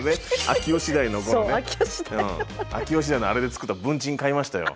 秋吉台のあれで作った文鎮買いましたよ。